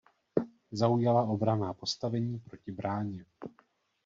Zaujala obranná postavení proti bráně.